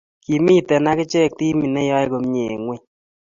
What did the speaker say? Kimiten agiche timit neyoe komnyei eng ngweny